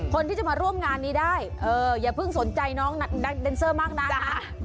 คนที่จะมาร่วมงานนี้ได้อย่าเพิ่งสนใจน้องนักเดนเซอร์มากนะ